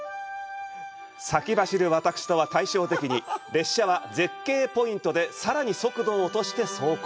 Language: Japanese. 先走る私とは対照的に、列車は絶景ポイントでさらに速度を落として走行。